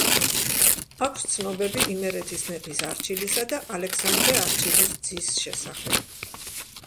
აქვს ცნობები იმერეთის მეფის არჩილისა და ალექსანდრე არჩილის ძის შესახებ.